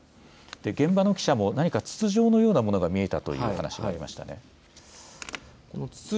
現場の記者も何か筒状のようなものが見えたという話がありましたね。